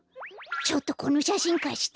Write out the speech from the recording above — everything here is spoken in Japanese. ちょっとこのしゃしんかして？